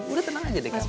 udah tenang aja deh kamu